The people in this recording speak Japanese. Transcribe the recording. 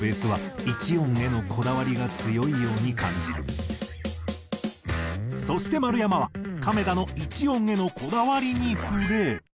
更にそして丸山は亀田の一音へのこだわりに触れ。